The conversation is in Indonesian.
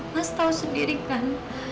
mas tau sendiri kan